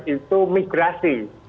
konsumen itu migrasi